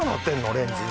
レンジ今。